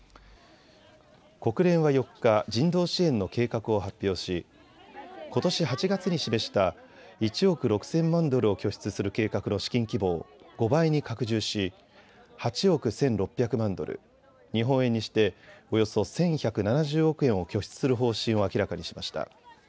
国連は４日、人道支援の計画を発表しことし８月に示した１億６０００万ドルを拠出する計画の資金規模を５倍に拡充し８億１６００万ドル、日本円にしておよそ１１７０億円を拠出する方針を明らかにしました。